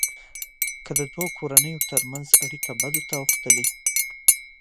که د دوو کورنيو ترمنځ اړیکې بدو ته اوښتلې.